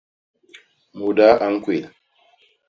Mudaa a ñkwél.